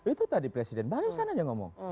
itu tadi presiden barusan aja ngomong